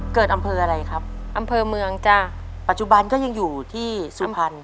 เกิดอำเภออะไรครับอำเภอเมืองจ้ะปัจจุบันก็ยังอยู่ที่สุพรรณ